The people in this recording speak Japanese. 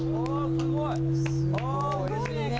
すごいね。